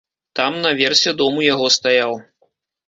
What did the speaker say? Там, на версе дом у яго стаяў.